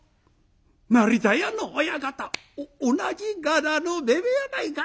成田屋の親方同じ柄のべべやないか！」